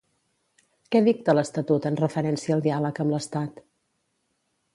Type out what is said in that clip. Què dicta l'Estatut en referència al diàleg amb l'Estat?